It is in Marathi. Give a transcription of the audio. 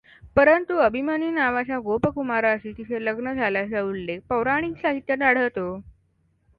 परंतु अभिमन्यू नावाच्या गोपकुमाराशी तिचे लग्न झाल्याचा उल्लेख पौराणिक साहित्यात आढळतो.